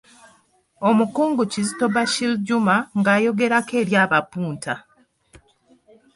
Omukungu Kizito Bashir Juma ng'ayogerako eri abapunta.